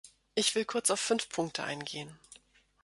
Ich will kurz auf fünf Punkte eingehen.